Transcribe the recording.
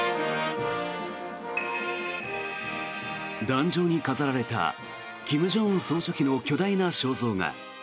壇上に飾られた金正恩総書記の巨大な肖像画。